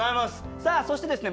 さあそしてですね